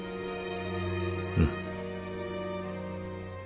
うん。